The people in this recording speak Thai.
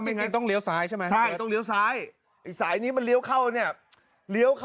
จริงต้องเรียวสายใช่มั้ย